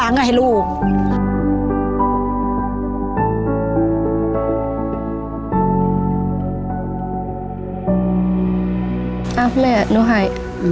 นี่เขียนไป